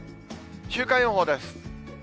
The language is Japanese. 週間予報です。